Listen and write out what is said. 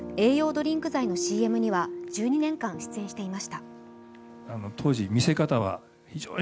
ドリンク剤のＣＭには１２年間出演していました。